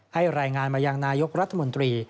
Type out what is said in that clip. ให้รายงานมายังนายกรัฐมนตรี